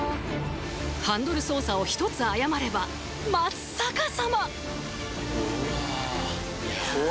ハンドル操作を一つ誤れば真っ逆さま・うわ